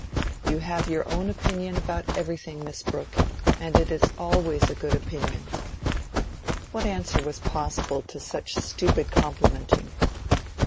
"You have your own opinion about everything, Miss Brooke, and it is always a good opinion." What answer was possible to such stupid complimenting?